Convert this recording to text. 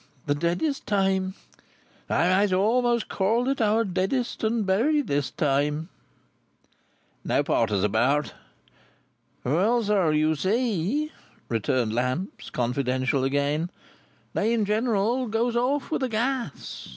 The deadest time. I might a'most call it our deadest and buriedest time." "No porters about?" "Well, sir, you see," returned Lamps, confidential again, "they in general goes off with the gas.